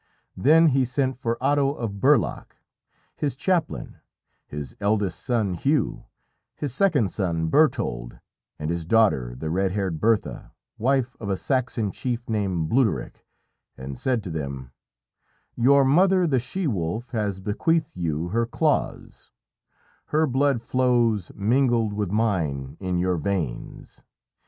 "Then he sent for Otto of Burlach, his chaplain, his eldest son Hugh, his second son Berthold, and his daughter the red haired Bertha, wife of a Saxon chief named Bluderich, and said to them "'Your mother the she wolf has bequeathed you her claws; her blood flows, mingled with mine, in your veins.